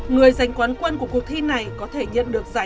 người giành quán quân của cuộc thi này có thể nhận được tên là cang pi